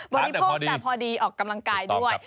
บริโภคแต่พอดีออกกำลังกายด้วย